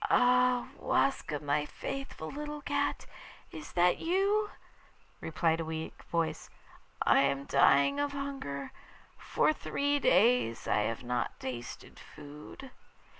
'Ah! Waska, my faithful little cat, is that you?' replied a weak voice. 'I am dying of hunger. For three days I have not tasted food.